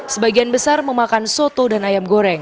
sebagian besar memakan soto dan ayam goreng